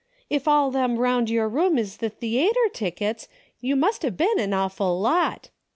' If all them round your room is the ay ivQ tickets, you must've been an awful lot